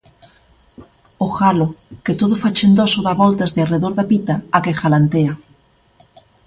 O galo, que todo fachendoso dá voltas de arredor da pita á que galantea.